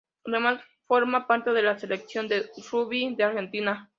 Además, forma parte de la Selección de rugby de Argentina.